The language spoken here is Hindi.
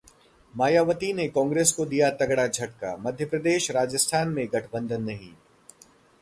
मायावती ने कांग्रेस को दिया तगड़ा झटका, मध्य प्रदेश-राजस्थान में गठबंधन नहीं